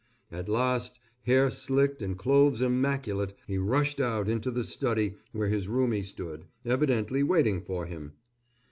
At last, hair slicked and clothes immaculate, he rushed out into the study where his roomie stood, evidently waiting for him.